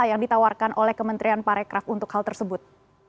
apa yang ditawarkan oleh kementerian pariwisata untuk hal tersebut